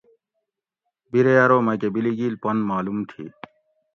بیرے ارو مکہ بیلیگیل پُن معلوم تھی